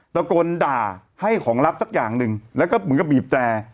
ตะโกนด่าให้ของลับสักอย่างหนึ่งแล้วก็เหมือนกับบีบแต่